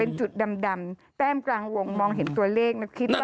เป็นจุดดำแต้มกลางวงมองเห็นตัวเลขแล้วคิดว่า